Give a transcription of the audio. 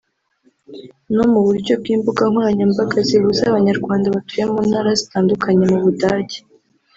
no mu buryo bw’imbuga nkoranyambaga zihuza Abanyarwanda batuye mu ntara zitandukanye mu Budage